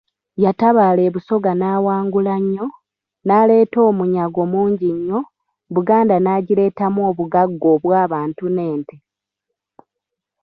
Yatabaala e Busoga n'awangula nnyo, n'aleeta omunyago mungi nnyo, Buganda n'agireetamu obugagga obw'abantu n'ente.